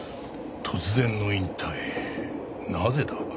突然の引退なぜだ？